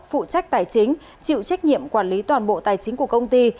phụ trách tài chính chịu trách nhiệm quản lý toàn bộ tài chính của công ty